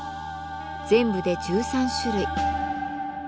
全部で１３種類。